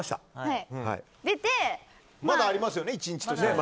まだありますよね、１日。